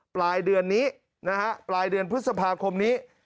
ปลายเดือนนี้นะฮะปลายเดือนพฤษภาคมนี้